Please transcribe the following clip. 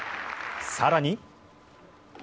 更に。